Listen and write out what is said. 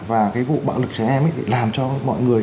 và vụ bạo lực trẻ em làm cho mọi người